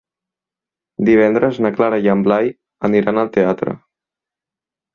Divendres na Carla i en Blai aniran al teatre.